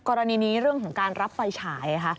กรณีนี้เรื่องของการรับไฟฉายค่ะ